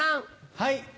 はい。